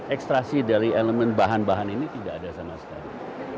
ekstrasi dari elemen bahan bahan ini tidak ada sama sekali